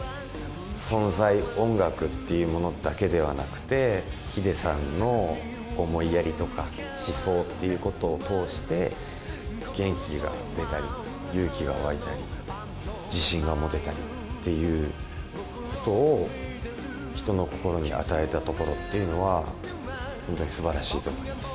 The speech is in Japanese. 存在、音楽っていうものだけではなくて、ｈｉｄｅさんの思いやりとか、思想っていうことを通して、元気が出たり、勇気が湧いたり、自信が持てたりっていうことを、人の心に与えたところっていうのは、本当にすばらしいと思います。